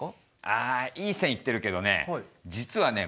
あいい線いってるけどね実はね